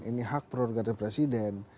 ini hak perorangan dari presiden